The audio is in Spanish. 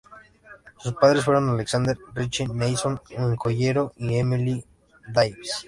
Sus padres fueron Alexander Riche Neilson, un joyero, y Emily Davis.